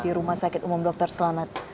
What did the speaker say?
di rumah sakit umum dr selamat